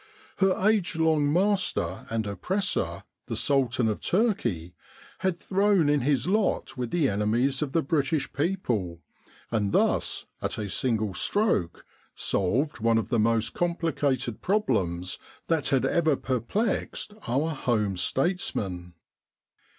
Her age long master and oppressor, the Sultan of Turkey, had thrown in his lot with the enemies of the British people, and thus at a single stroke solved one of the most complicated problems that had ever perplexed our home statesmen.